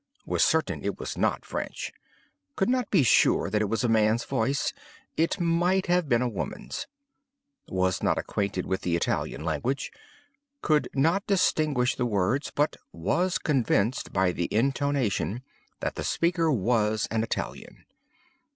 Was certain it was not French. Could not be sure that it was a man's voice. It might have been a woman's. Was not acquainted with the Italian language. Could not distinguish the words, but was convinced by the intonation that the speaker was an Italian.